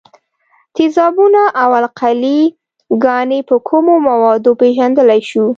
تیزابونه او القلي ګانې په کومو موادو پیژندلای شو؟